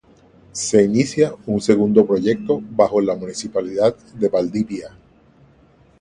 Se inicia un segundo proyecto bajo la Municipalidad de Valdivia.